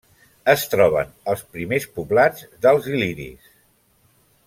Es troben els primers poblats dels il·liris.